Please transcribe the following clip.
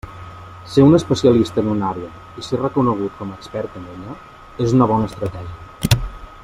Ser un especialista en una àrea i ser reconegut com a expert en ella és una bona estratègia.